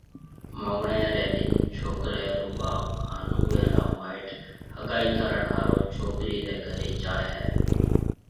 مونگڻيَ ريَ ڏن ڇوڪرَي رو ٻاپ ھان اُوئيَ را مائيٽ ھگائي ڪرڻ ھارو ڇوڪرِي رَي گھرَي جائيَ ھيََََ